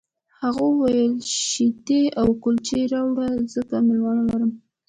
هغه وویل شیدې او کلچې راوړه ځکه مېلمه لرم